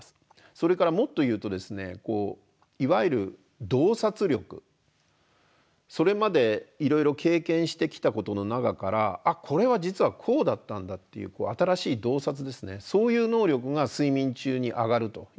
それからもっと言うとですねいわゆる洞察力それまでいろいろ経験してきたことの中からあっこれは実はこうだったんだっていう新しい洞察ですねそういう能力が睡眠中に上がるということも分かってるんですね。